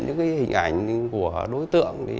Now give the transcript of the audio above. những cái hình ảnh của đối tượng